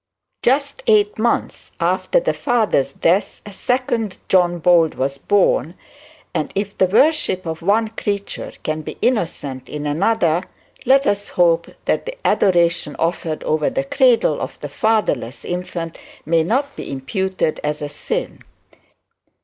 Just eight months after the father's death a second John Bold was born, and if the worship of one creature can be innocent in another, let us hope that the adoration offered over the cradle of the fatherless infant may not be imputed as sin.